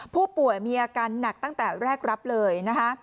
ผู้ป่วยมีอาการหนักตั้งแต่แรกรับเลยนะคะ